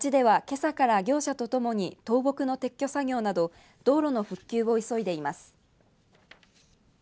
町ではけさから業者と共に倒木の撤去作業など道路の復旧を急いでいます。